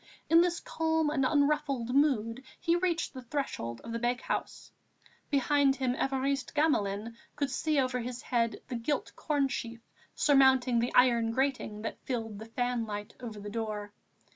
In this calm and unruffled mood he reached the threshold of the bakehouse. Behind him, Évariste Gamelin could see over his head the gilt cornsheaf surmounting the iron grating that filled the fanlight over the door.